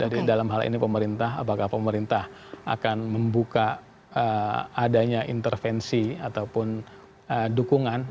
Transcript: dari dalam hal ini pemerintah apakah pemerintah akan membuka adanya intervensi ataupun dukungan